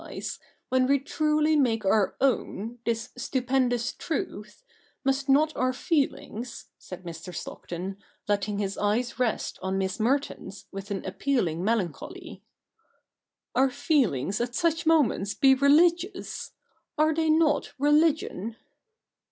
Ill] THE NEW REPUBLIC 157 when we truly make our own, this stupendous truth, must not our feeHngs," said Mr. Stockton, letting his eyes rest on Miss Merton's with an appealing melancholy — 'our feelings at such moments be religious? Are they not Religion?'